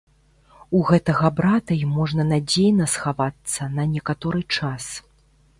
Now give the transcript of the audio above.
У гэтага брата і можна надзейна схавацца на некаторы час.